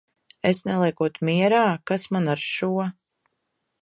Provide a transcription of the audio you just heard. Es neliekot mierā? Kas man ar šo!